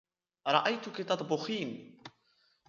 رأيتك تطبخين.